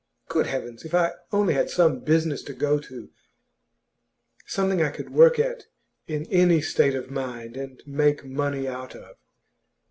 Good heavens! if I only had some business to go to, something I could work at in any state of mind, and make money out of!